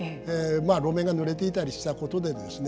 まあ路面がぬれていたりしたことでですね